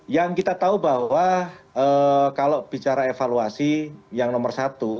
yang kita tahu bahwa kalau bicara evaluasi yang nomor satu